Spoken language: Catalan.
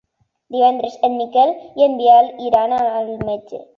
Divendres en Miquel i en Biel iran al metge.